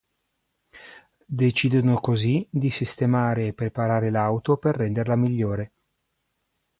Decidono così di sistemare e preparare l'auto per renderla migliore.